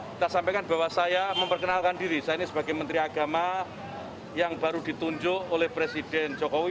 kita sampaikan bahwa saya memperkenalkan diri saya ini sebagai menteri agama yang baru ditunjuk oleh presiden jokowi